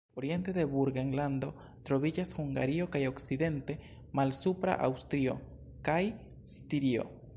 Oriente de Burgenlando troviĝas Hungario kaj okcidente Malsupra Aŭstrio kaj Stirio.